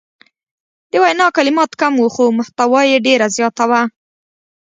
د وینا کلمات کم وو خو محتوا یې ډیره زیاته وه.